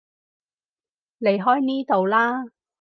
離開呢度啦